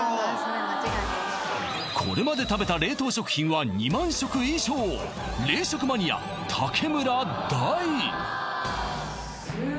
これまで食べた冷凍食品は２万食以上冷食マニアタケムラダイ